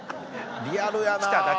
リアルやな。